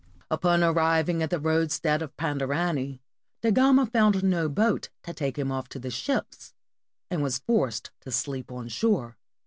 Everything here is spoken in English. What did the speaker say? Upon arriving at the roadstead of Pandarany, Da Gama found no boat to take him off to the ships, and was forced to sleep on shore.